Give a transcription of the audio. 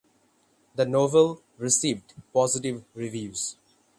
The novel received positive reviews.